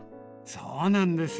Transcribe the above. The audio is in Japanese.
そうなんです。